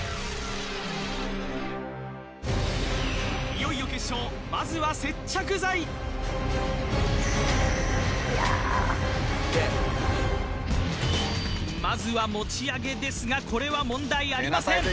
いよいよ決勝まずは接着剤まずは持ち上げですがこれは問題ありません